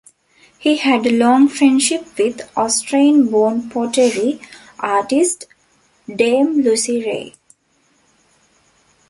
He had a long friendship with Austrian-born pottery artist Dame Lucie Rie.